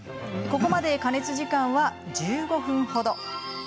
ここまで、加熱時間は１５分ほど。